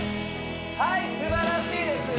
はいすばらしいです